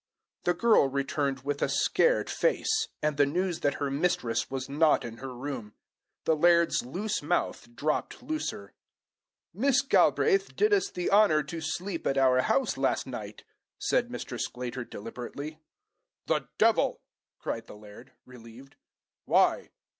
The girl returned with a scared face, and the news that her mistress was not in her room. The laird's loose mouth dropped looser. "Miss Galbraith did us the honour to sleep at our house last night," said Mr. Sclater deliberately. "The devil!" cried the laird, relieved. "Why!